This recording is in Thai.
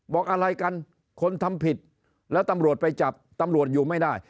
บอกอะไรกันคนทำผิดแล้วตำรวจไปจับตำรวจอยู่ไม่ได้